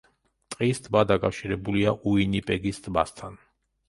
ტყის ტბა დაკავშირებულია უინიპეგის ტბასთან.